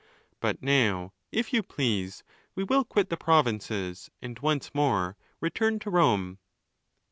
7 But now, if you please, we will quit the provinces, and once more return to Rome.